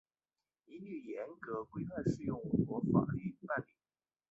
一律严格、规范适用我国法律办理